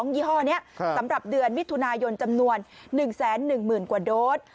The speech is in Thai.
ยี่ห้อนี้สำหรับเดือนมิถุนายนจำนวน๑๑๐๐๐กว่าโดส